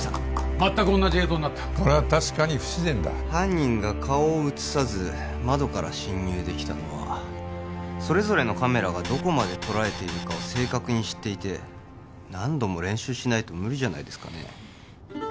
まったく同じ映像になったこれは確かに不自然だ犯人が顔を写さず窓から侵入できたのはそれぞれのカメラがどこまで撮られているかを正確に知っていて何度も練習しないと無理じゃないですかね？